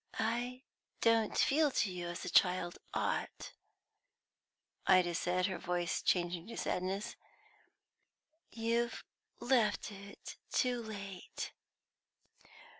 "I don't feel to you as a child ought," Ida said, her voice changing to sadness. "You've left it too late."